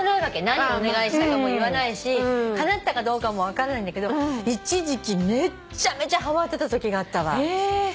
何をお願いしたかも言わないしかなったかどうかも分からないんだけど一時期めちゃめちゃはまってたときがあったわ。